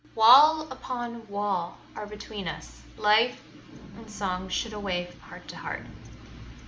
Wall upon wall are between us: life And song should away from heart to heart!